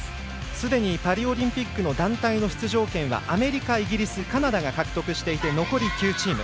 すでにパリオリンピックの団体の出場権はアメリカ、イギリス、カナダが獲得していて残り９チーム。